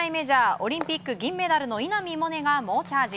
オリンピック銀メダルの稲見萌寧が猛チャージ。